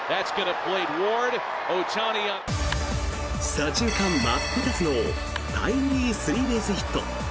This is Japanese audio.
左中間真っ二つのタイムリースリーベースヒット。